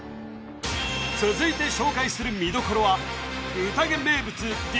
続いて紹介する見どころはＵＴＡＧＥ名物